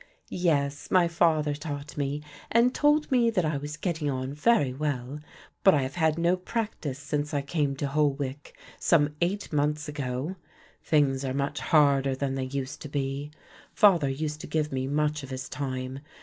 "Yes, my father taught me and told me that I was getting on very well, but I have had no practice since I came to Holwick some eight months ago. Things are much harder than they used to be. Father used to give me much of his time.